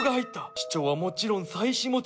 市長はもちろん妻子持ち。